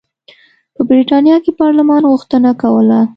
په برېټانیا کې پارلمان غوښتنه کوله.